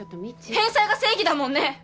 返済が正義だもんね！